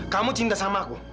kamu cinta sama aku